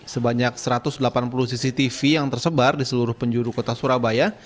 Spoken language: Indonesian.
sebanyak satu ratus delapan puluh cctv yang tersebar di seluruh penjuru kota surabaya